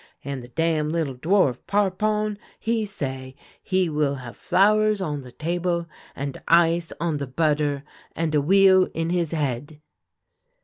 And the damn little dwarf Parpon, he say: ' He will have flowers on the table and ice on the butter, and a wheel in his head.'